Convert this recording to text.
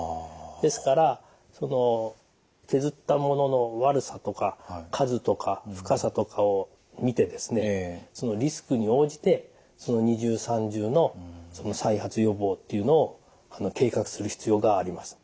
ですから削ったものの悪さとか数とか深さとかを診てですねそのリスクに応じて二重三重の再発予防っていうのを計画する必要があります。